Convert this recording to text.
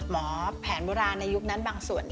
หมอแผนแบบเวลานั้นในยุคนั้นบางส่วน